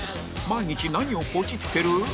毎日何をポチってる？